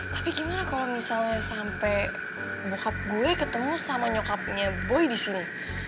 tapi gimana kalau misalnya sampai bokap gue ketemu sama nyokapnya boy di sini